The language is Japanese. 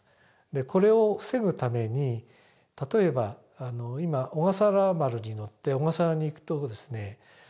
これを防ぐために例えば今おがさわら丸に乗って小笠原に行くとですね